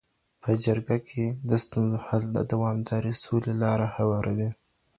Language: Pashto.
په جرګه کي د ستونزو حل د دوامداري سولي لاره هواروي.